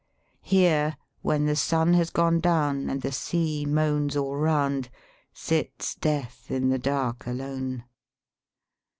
Here, when the sun has gone down and the sea moans all round, sits Death in the dark alone.